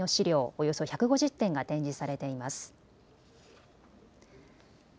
およそ１５０点が展示されています。